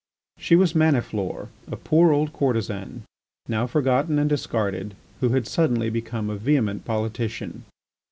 She was Maniflore, a poor old courtesan, now forgotten and discarded, who had suddenly become a vehement politician.